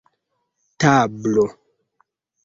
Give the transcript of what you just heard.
tablo